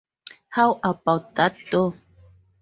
How about that door?